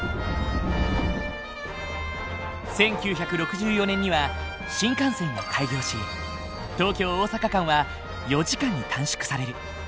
１９６４年には新幹線が開業し東京大阪間は４時間に短縮される。